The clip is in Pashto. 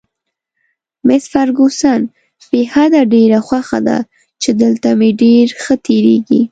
مس فرګوسن: بې حده، ډېره خوښه ده چې دلته مې ډېر ښه تېرېږي.